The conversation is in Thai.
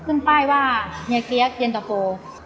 ขึ้นป้ายว่าเย็นเตอร์โฟตั้งแต่วันแรก